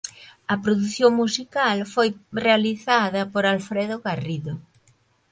A produción musical foi realizada por Alfredo Garrido.